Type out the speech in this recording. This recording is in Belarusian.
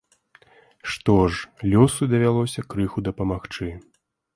Што ж, лёсу давялося крыху дапамагчы.